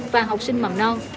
và học sinh mầm non